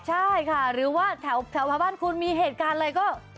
ใช่ค่ะหรือว่าแถวบ้านคุณมีเหตุการณ์อะไรก็